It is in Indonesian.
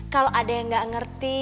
kalau ada yang nggak ngerti